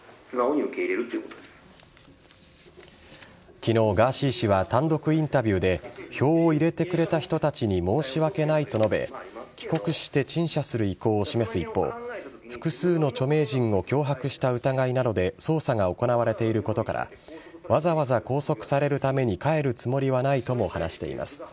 昨日、ガーシー氏は単独インタビューで票を入れてくれた人たちに申し訳ないと述べ帰国して陳謝する意向を示す一方複数の著名人を脅迫した疑いなどで捜査が行われていることからわざわざ拘束されるために帰るつもりはないとも話しています。